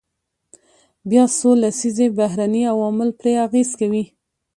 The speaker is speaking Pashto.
بیا څو لسیزې بهرني عوامل پرې اغیز کوي.